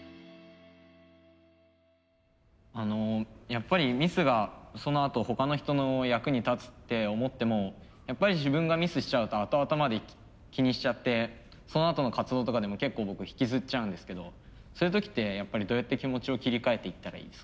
やっぱりミスがそのあと他の人の役に立つって思ってもやっぱり自分がミスしちゃうとあとあとまで気にしちゃってそのあとの活動とかでも結構僕引きずっちゃうんですけどそういう時ってやっぱりどうやって気持ちを切り替えていったらいいですか？